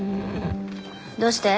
どうして？